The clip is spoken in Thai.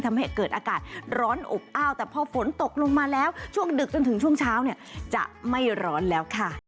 ทำให้เกิดอากาศร้อนอบอ้าวแต่พอฝนตกลงมาแล้วช่วงดึกจนถึงช่วงเช้าเนี่ยจะไม่ร้อนแล้วค่ะ